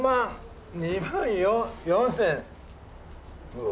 うわ。